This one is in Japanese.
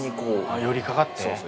寄り掛かって？